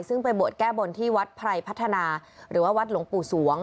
ซึ่งไปบวชแก้บนที่วัดไพรพัฒนาหรือว่าวัดหลวงปู่สวง